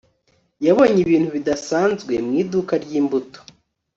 yabonye ibintu bidasanzwe mu iduka ryimbuto